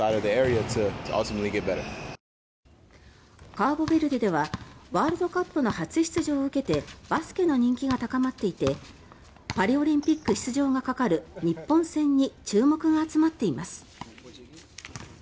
カーボベルデではワールドカップの初出場を受けてバスケの人気が高まっていてパリオリンピック出場がかかる日本戦に注目が集まっています。